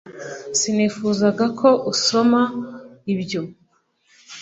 sinifuzaga ko usoma ibyo